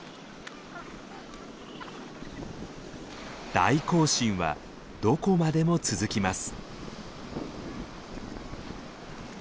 大行進はどこまでも続きます。